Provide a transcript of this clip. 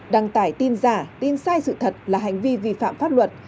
đăng tải tin giả tin sai sự thật là hành vi vi phạm pháp luật